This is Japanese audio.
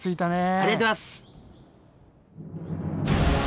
ありがとうございます。